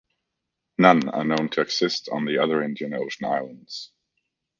None are known to exist on the other Indian Ocean islands.